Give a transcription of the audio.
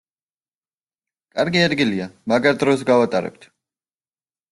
კარგი ადგილია, მაგარ დროს გავატარებთ!